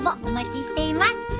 お待ちしています。